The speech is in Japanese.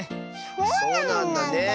そうなんだねえ。